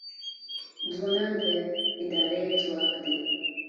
ځوانان د ادارې ځواک دی